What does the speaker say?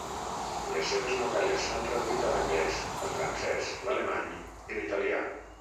Les seves novel·les s'han traduït a l’anglès, el francès, l’alemany i l’italià.